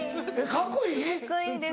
カッコいいです。